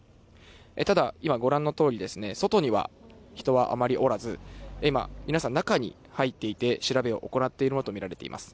ただ、今ご覧のとおり、外には人はあまりおらず、今、皆さん、中に入っていて、調べを行っているものと見られています。